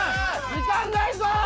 時間ないぞ！